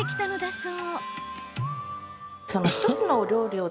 そう。